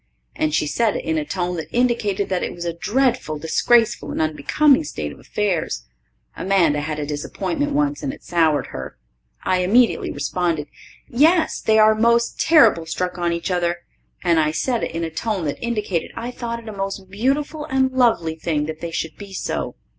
And she said it in a tone that indicated that it was a dreadful disgraceful and unbecoming state of affairs. Amanda had a disappointment once and it soured her. I immediately responded, "Yes, they are most terrible struck on each other," and I said it in a tone that indicated I thought it a most beautiful and lovely thing that they should be so.